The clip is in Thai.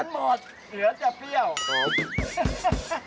มันหมดเหลือจะเปรี้ยวผม